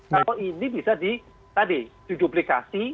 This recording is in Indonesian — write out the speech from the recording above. kalau ini bisa diduplikasi